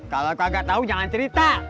kalo kagak tau jangan cerita